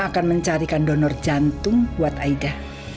akan mencarikan donor jantung buat aida